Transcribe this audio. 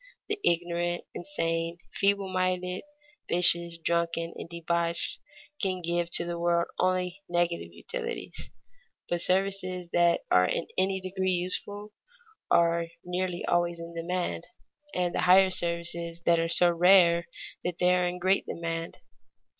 The ignorant, insane, feeble minded, vicious, drunken, and debauched, can give to the world only negative utilities. But services that are in any degree useful are nearly always in demand, and the higher services are so rare that they are in great demand.